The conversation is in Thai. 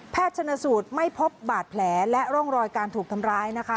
ชนสูตรไม่พบบาดแผลและร่องรอยการถูกทำร้ายนะคะ